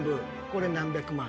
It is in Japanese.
これ何千万。